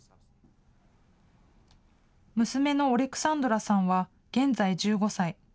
娘のオレクサンドラさんは現在１５歳。